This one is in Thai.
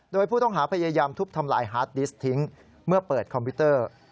โดยผู้ต้องหาพยายามทุบทำลายฮาร์ดดิสต์ทิ้งเมื่อเปิดคอมพิวเตอร์